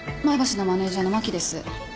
前橋のマネジャーの牧です。